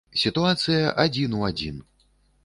Сітуацыя адзін у адзін.